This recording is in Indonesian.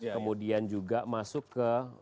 kemudian juga masuk ke